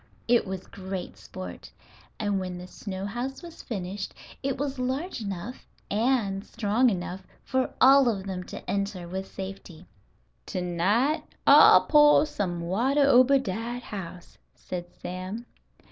It was great sport, and when the snow house was finished it was large enough and strong enough for all of them to enter with safety. "To night I'll poah some water ober dat house," said Sam.